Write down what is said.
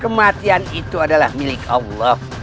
kematian itu adalah milik allah